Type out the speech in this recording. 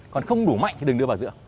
còn không đủ mạnh thì đừng đưa vào giữa